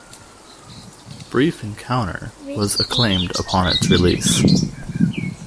"Brief Encounter" was acclaimed upon its release.